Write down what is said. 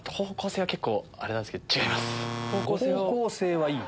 方向性はいい？